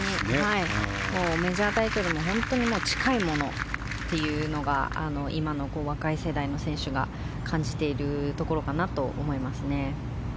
メジャータイトルも本当に近いものというのが今の若い世代の選手が感じているところかなと思いますね。